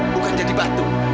bukan jadi batu